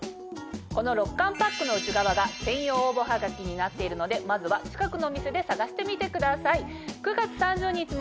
この６缶パックの内側が専用応募ハガキになっているのでまずは近くのお店で探してみてください。